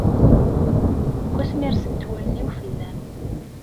Seg asmi rsen-t wallen-iw fell-am